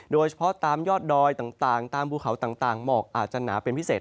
โดยเฉพาะตามยอดดอยต่างตามภูเขาต่างหมอกอาจจะหนาเป็นพิเศษ